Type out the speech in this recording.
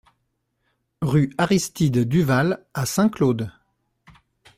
Rue Aristide Duvales à Saint-Claude